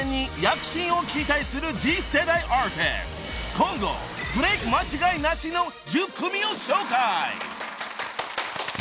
［今後ブレーク間違いなしの１０組を紹介］